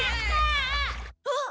あっ！